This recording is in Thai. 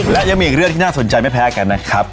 และยังมีอีกเรื่องที่น่าสนใจไม่แพ้กันนะครับ